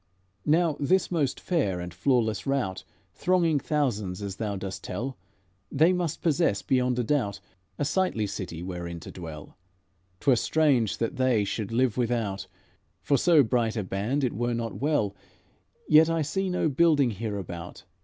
"Now this most fair and flawless rout, Thronging thousands, as thou dost tell, They must possess, beyond a doubt, A sightly city wherein to dwell. 'T were strange that they should live without; For so bright a band it were not well; Yet I see no building hereabout.